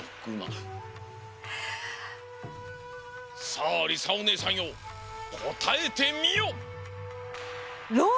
さありさおねえさんよこたえてみよ！